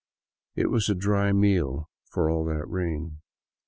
It was a dry meal, for all the rain.